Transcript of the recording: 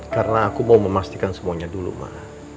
karena aku mau memastikan semuanya dulu mbak